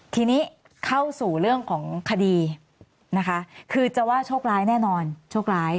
ทีนี้เข้าสู่เรื่องของคดีนะคะคือจะว่าโชคร้ายแน่นอนโชคร้าย